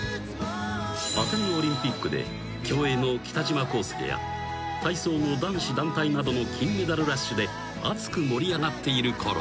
［アテネオリンピックで競泳の北島康介や体操の男子団体などの金メダルラッシュで熱く盛り上がっているころ］